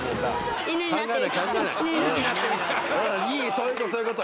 そういうことそういうこと。